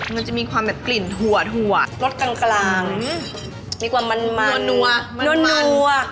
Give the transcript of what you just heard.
มันจะมีความกลิ่นหัวรสกังมีความมันมันนัวก